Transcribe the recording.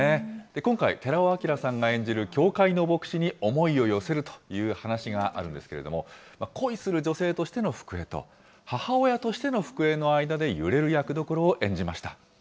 今回、寺尾聰さんが演じる教会の牧師に、思いを寄せるという話があるんですけれども、恋する女性としての福江と、母親としての福江の間で揺れる役どころを演じました。